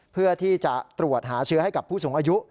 เพื่อที่จะตรวจหาเชื้อให้กับผู้สูงอายุ